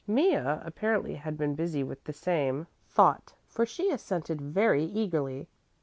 Mea apparently had been busy with the same thought for she assented very eagerly.